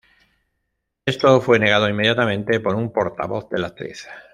Esto fue negado inmediatamente por un portavoz de la actriz.